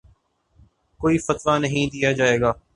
کوئی فتویٰ نہیں دیا جائے گا